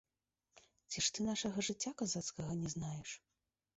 Ці ж ты нашага жыцця казацкага не знаеш?